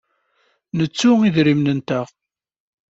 Nettu idrimen-nteɣ.